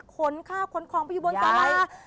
ขนข้าวขนคลองไปอยู่บนตลาด